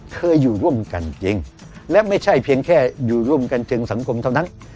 เคยอยู่ร่วมกันจริงและไม่ใช่เพียงแค่อยู่ร่วมกันเชิงสังคมเท่านั้น